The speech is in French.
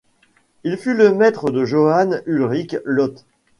Il fut le maître de Johann Ulrich Loth.